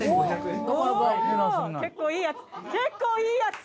結構いいやつ。